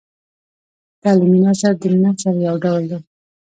تعلیمي نثر د نثر یو ډول دﺉ.